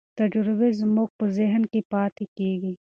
تجربې زموږ په ذهن کې پاتې کېږي.